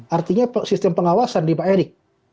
artinya sistem pengawasan di pak erick